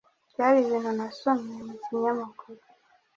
Byari ibintu nasomye mu kinyamakuru.